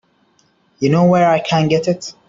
You know where I can get it?